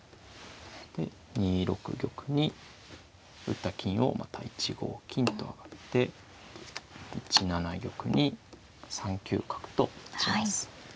で２六玉に打った金をまた１五金と上がって１七玉に３九角と打ちます。